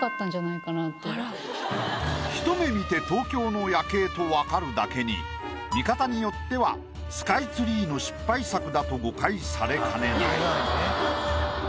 ひと目見て東京の夜景と分かるだけに見方によってはスカイツリーの失敗作だと誤解されかねない。